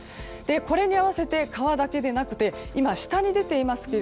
これに合わせて川だけでなくて今、下に出ています